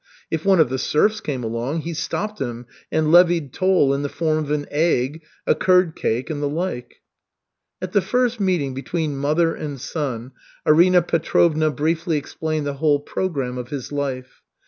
If one of the serfs came along, he stopped him and levied toll in the form of an egg, a curd cake, and the like. At the first meeting between mother and son, Arina Petrovna briefly explained the whole program of his life.